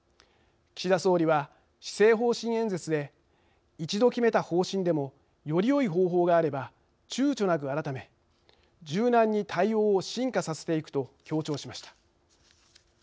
岸田総理は施政方針演説で一度決めた方針でもよりよい方法があればちゅうちょなく改め柔軟に対応を進化させていくと強調しました。